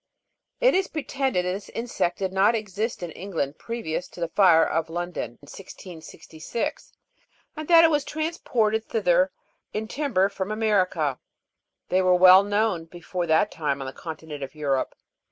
It is pretended that this insect did not exist in England previous to the fire of London in 1666, and that it was transported thither in timber from America. They were known long before that time on the continent of Europe.